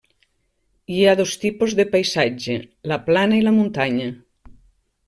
Hi ha dos tipus de paisatges: la plana i la muntanya.